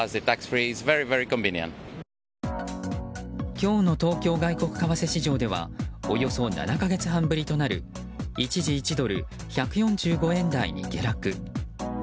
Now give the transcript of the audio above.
今日の東京外国為替市場ではおよそ７か月半ぶりとなる一時１ドル＝１４５円台に下落。